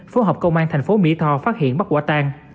phối hợp công an tp mỹ tho phát hiện bắt quả tan